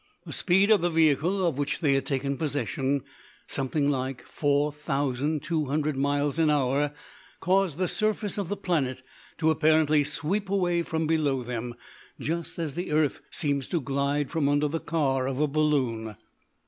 The speed of the vehicle of which they had taken possession, something like four thousand two hundred miles an hour, caused the surface of the planet to apparently sweep away from below them, just as the earth seems to glide from under the car of a balloon.